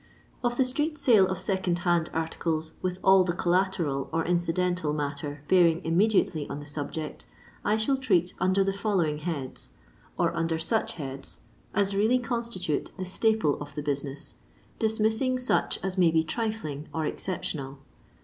Of the street sale of second hand articles, with all the collateral or incidental matter bearing im mediately on the subject, I shall treat under the following heads, or under such heads as really constitute the staple of the business, dismissing such as may be trifling or exceptional.